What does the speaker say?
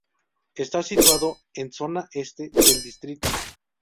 Está situado en zona este del distrito.